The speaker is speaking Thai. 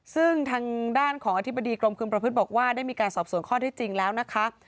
ซึ่งทางด้านของอธิบดีกรมคุมประพฤติบอกว่าได้มีการสอบส่วนข้อที่จริงแล้วนะคะ